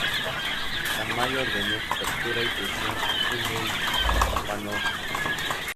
Tamayo ordenó su captura y prisión en el Panóptico.